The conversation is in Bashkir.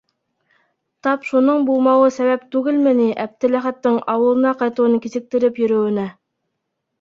Тап шуның булмауы сәбәп түгелме ни Әптеләхәттең ауылына ҡайтыуын кисектереп йөрөүенә.